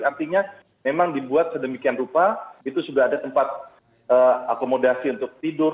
artinya memang dibuat sedemikian rupa itu sudah ada tempat akomodasi untuk tidur